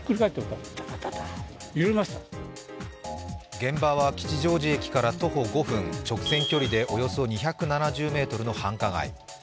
現場は吉祥寺駅から徒歩５分、直線距離でおよそ２７０ｍの繁華街。